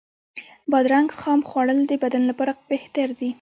بادرنګ خام خوړل د بدن لپاره بهتر دی.